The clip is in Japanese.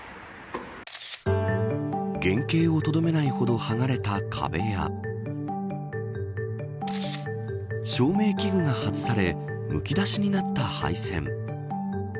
原形をとどめないほど剥がれた壁や照明器具が外されむき出しになった配線。